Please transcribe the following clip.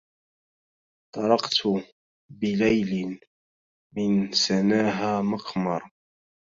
طرقت بليل من سناها مقمر